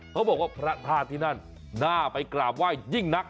เขาบอกว่าพระธาตุที่นั่นน่าไปกราบไห้ยิ่งนัก